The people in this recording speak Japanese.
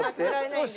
よし！